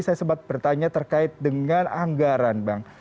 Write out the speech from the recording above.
saya sempat bertanya terkait dengan anggaran bang